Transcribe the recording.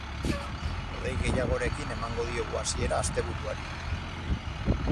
Hodei gehiagorekin emango diogu hasiera asteburuari.